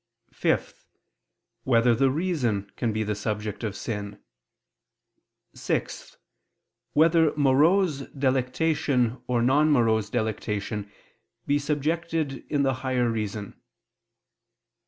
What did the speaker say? (5) Whether the reason can be the subject of sin? (6) Whether morose delectation or non morose delectation be subjected in the higher reason?